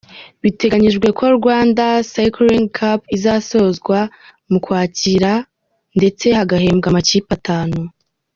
Biteganyijwe ko Rwanda Cycling Cup izasozwa izasozwa mu Ukwakira akira ndetse hagahembwa amakipe atanu.